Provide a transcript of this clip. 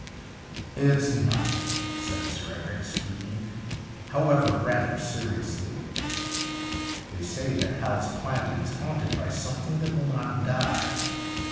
' It's nothing,' said Sir Edric, speaking, however, rather seriously. ' They say that Hal's Planting is haunted by something that will not die.